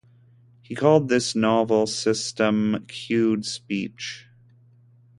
He called this novel system Cued Speech.